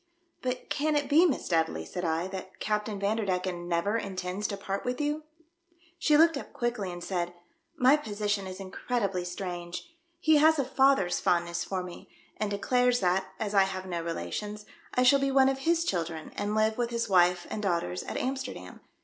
" But can it be, Miss Dudley," said I, " that Captain Vanderdecken never intends to part with you ?" She looked up quickly, and said, "My position is incredibly strange. He has a father's fondness for me, and declares that, as I have no relations, I shall be one of his children, and live with his wife and daughters at AmiSterdam.